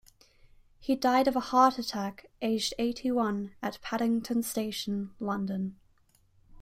He died of a heart attack, aged eighty-one, at Paddington Station, London.